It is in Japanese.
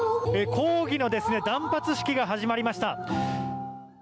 抗議の断髪式が始まりました。